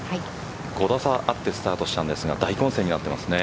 ５打差あってスタートしたんですが大混戦ですね。